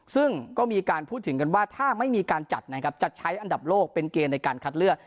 ซึ่งก็มีการพูดถึงกันว่าถ้าไม่มีการจัดนะครับจะใช้อันดับโลกเป็นเกณฑ์ในการคัดเลือก